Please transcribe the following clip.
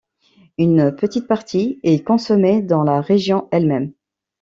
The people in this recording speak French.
Une petite partie est consommée dans la région elle-même.